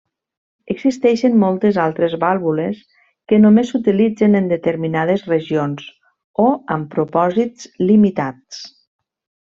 Existeixen moltes altres vàlvules que només s'utilitzen en determinades regions o amb propòsits limitats.